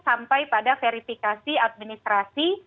sampai pada verifikasi administrasi